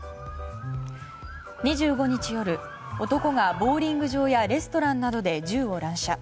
２５日夜、男がボウリング場やレストランなどで銃を乱射。